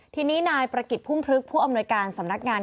ทีนี้นายประกิจพุ่มพลึกผู้อำนวยการสำนักงาน